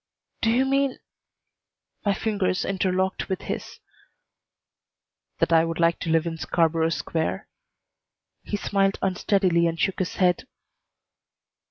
"Do you mean ?" My fingers interlocked with his. "That I would like to live in Scarborough Square?" He smiled unsteadily and shook his head.